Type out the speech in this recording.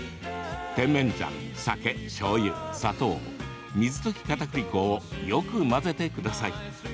甜麺醤、酒、しょうゆ、砂糖水溶きかたくり粉をよく混ぜてください。